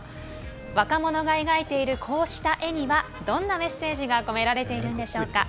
若者が描いているこうした絵にはどんなメッセージが込められているんでしょうか。